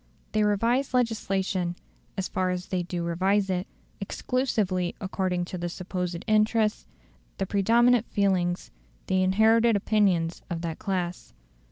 They revise legislation, as far as they do revise it, exclusively according to the supposed interests, the predominant feelings, the inherited opinions, of that class.